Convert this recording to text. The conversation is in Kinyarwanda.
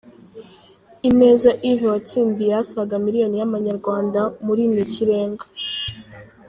Ineza Yves watsindiye asaga miliyoni y'amanyarwanda muri Ni Ikirenga.